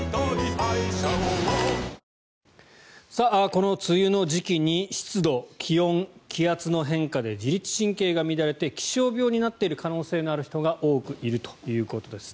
この梅雨の時期に湿度、気温、気圧の変化で自律神経が乱れて気象病になっている可能性のある人が多くいるということです。